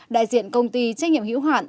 đại diện công ty trách nhiệm hữu hoạn